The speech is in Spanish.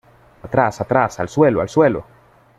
¡ Atrás! ¡ atrás !¡ al suelo !¡ al suelo !